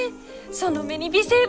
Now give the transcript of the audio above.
その目に微生物。